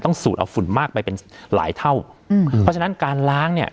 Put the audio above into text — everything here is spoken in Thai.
สูดเอาฝุ่นมากไปเป็นหลายเท่าอืมเพราะฉะนั้นการล้างเนี่ย